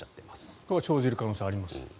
これは生じる可能性あります？